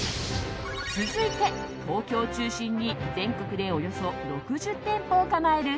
続いて、東京を中心に全国でおよそ６０店舗を構える